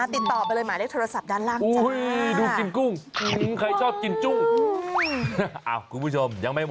ติดต่อไปเลยมาได้โทรศัพท์ด้านล่างจังนะดูกินกุ้งใครชอบกินจุ้ง